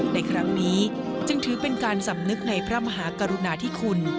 ในครั้งนี้จึงถือเป็นการสำนึกในพระมหากรุณาธิคุณ